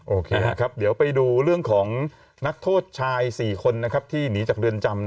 โอเคครับเดี๋ยวไปดูเรื่องของนักโทษชาย๔คนที่หนีจากเรือนจำ